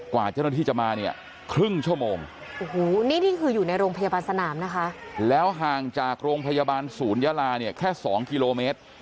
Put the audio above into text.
กว่าเจ้าหน้าที่จะมาเนี่ยครึ่งชั่วโมงโอ้โหนี่นี่คืออยู่ในโรงพยาบาลสนามนะคะแล้วห่างจากโรงพยาบาลศูนยาลาเนี่ยแค่๒กิโลเมตร